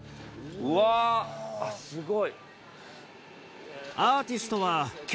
うわあっすごい！